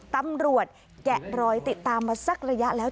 แกะรอยติดตามมาสักระยะแล้ว